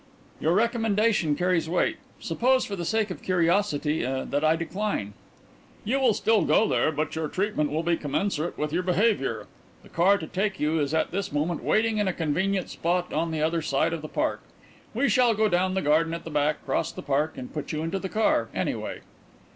"Your recommendation carries weight. Suppose, for the sake of curiosity, that I decline?" "You will still go there but your treatment will be commensurate with your behaviour. The car to take you is at this moment waiting in a convenient spot on the other side of the park. We shall go down the garden at the back, cross the park, and put you into the car anyway."